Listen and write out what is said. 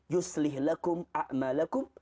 yuslih lakum a'malakum